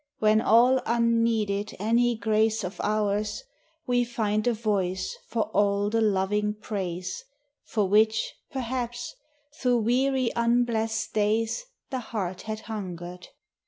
When all unneeded any grace of ours We find a voice for all the loving praise For which, perhaps, through weary, unblessed days The heart had hungered.